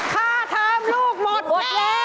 ค่าท้ามลูกหมดแล้ว